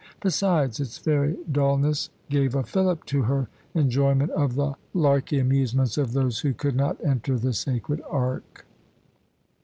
Besides, its very dullness gave a fillip to her enjoyment of the larky amusements of those who could not enter the sacred ark.